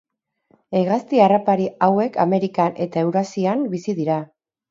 Hegazti harrapari hauek Amerikan eta Eurasian bizi dira.